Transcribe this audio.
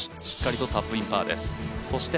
しっかりとカップインパーです。